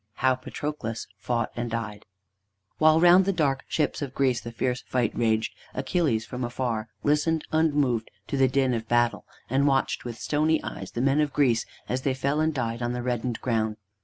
V HOW PATROCLUS FOUGHT AND DIED While round the dark ships of Greece the fierce fight raged, Achilles, from afar, listened unmoved to the din of battle, and watched with stony eyes the men of Greece as they fell and died on the reddened ground.